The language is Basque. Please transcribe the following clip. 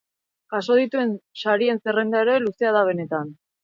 Jaso dituen sarien zerrenda ere luzea da benetan.